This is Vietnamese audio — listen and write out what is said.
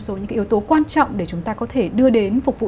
số những yếu tố quan trọng để chúng ta có thể đưa đến phục vụ